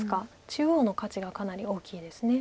中央の価値がかなり大きいです。